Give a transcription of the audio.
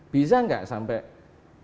bisa gak sampai lebih tinggi lagi